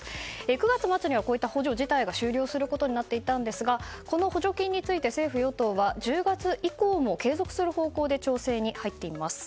９月末にはこういった補助自体が終了することになっていたんですがこの補助金について政府・与党は１０月以降も継続する方向で調整に入っています。